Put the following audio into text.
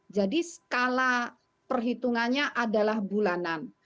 jadi skala perhitungannya adalah bulanan